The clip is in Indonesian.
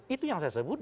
itu yang saya sebut